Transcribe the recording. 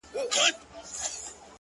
سوچه کاپیر وم چي راتلم تر میخانې پوري-